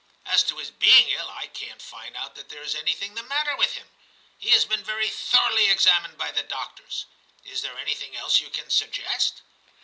As to his being ill, I can't find out that there is anything the matter with him ; he has been very thoroughly examined by the doctors. Is there anything else you can suggest